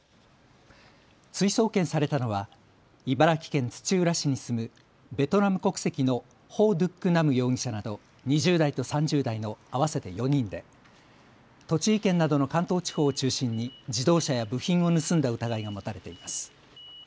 追送検されたのは茨城県土浦市に住むベトナム国籍のホ・ドゥック・ナム容疑者など２０代と３０代の合わせて４人で栃木県などの関東地方を中心に自動車や部品を盗んだ疑いが持たれています。